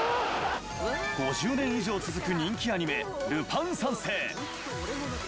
５０年以上続く人気アニメ『ルパン三世』。